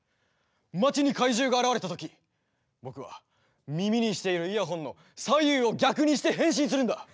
街に怪獣が現れたとき僕は耳にしているイヤホンの左右を逆にして変身するんだ！